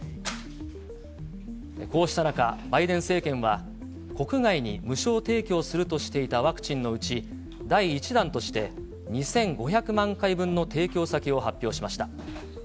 こうした中、バイデン政権は、国外に無償提供するとしていたワクチンのうち、第１弾として、２５００万回分の提供先を発表しました。